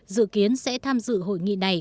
dự kiến sẽ tham dự hội nghị này